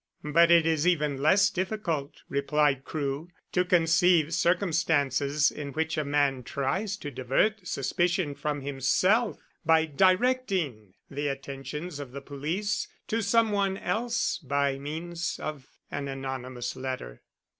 "But it is even less difficult," replied Crewe, "to conceive circumstances in which a man tries to divert suspicion from himself by directing the attentions of the police to some one else by means of an anonymous letter."